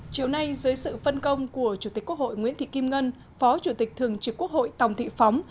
chiều nay dưới sự phân công của chủ tịch quốc hội nguyễn thị kim ngân phó chủ tịch thường trực quốc hội tòng thị phóng